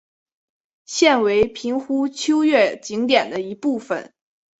现为平湖秋月景点的一部分。